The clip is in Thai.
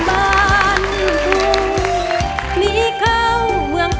ได้รัก